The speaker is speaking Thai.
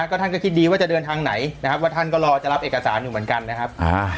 ก็ท่านก็คิดดีว่าจะเดินทางไหนนะครับว่าท่านก็รอจะรับเอกสารอยู่เหมือนกันนะครับ